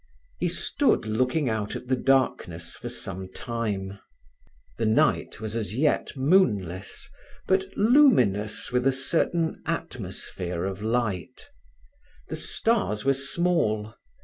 He stood looking out at the darkness for some time. The night was as yet moonless, but luminous with a certain atmosphere of light. The stars were small.